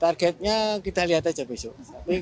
targetnya kita lihat aja besok